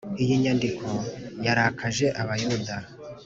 ” iyi nyandiko yarakaje abayuda